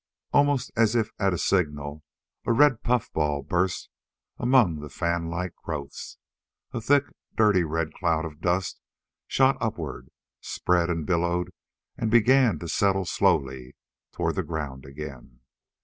Almost as if at a signal a red puffball burst among the fanlike growths. A thick, dirty red cloud of dust shot upward, spread and billowed and began to settle slowly toward the ground again.